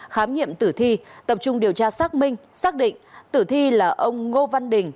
khám nghiệm tử thi tập trung điều tra xác minh xác định tử thi là ông ngô văn đình